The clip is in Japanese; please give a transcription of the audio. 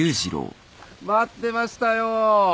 待ってましたよ。